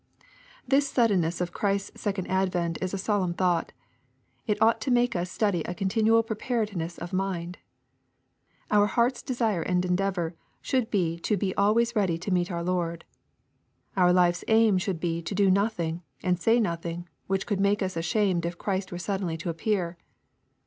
This suddenness of Christ's second advent is a solemn thought. It ought to make us study a continual pre paredness of mind. Our hearts' desire and endeavor should be to be always ready to meet our Lord. Our ife's aim should be to do nothing, and say nothing, which :ould make us ashamed it' Christ were suddenly to ap pear.